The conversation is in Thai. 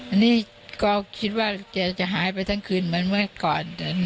อันนี้ก็คิดว่าแกจะหายไปทั้งคืนเหมือนเมื่อก่อน